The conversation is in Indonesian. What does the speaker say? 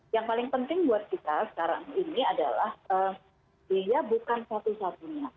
yang paling penting buat kita sekarang ini adalah dia bukan satu satunya